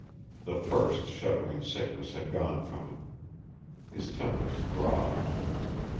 The first shuddering sickness had gone from him. His temples throbbed.